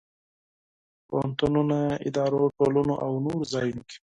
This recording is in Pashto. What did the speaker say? پوهنتونونو، ادارو، ټولنو او نور ځایونو کې.